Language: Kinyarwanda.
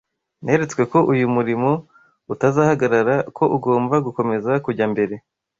Neretswe ko uyu murimo utazahagarara, ko ugomba gukomeza kujya mbere.